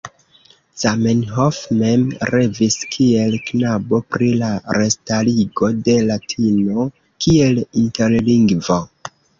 Zamenhof mem revis kiel knabo pri la restarigo de latino kiel interlingvo.